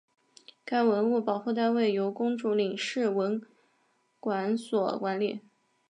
该文物保护单位由公主岭市文管所管理。